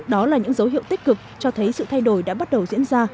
đó là những dấu hiệu tích cực cho thấy sự thay đổi đã bắt đầu diễn ra